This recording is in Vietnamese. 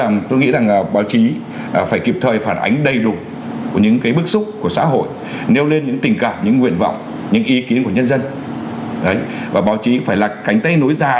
một lần nữa thì chúc cho những người làm báo